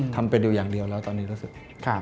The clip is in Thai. ทำไปดูอย่างเดียวแล้วตอนนี้รู้สึก